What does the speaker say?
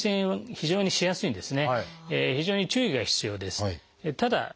非常に注意が必要です。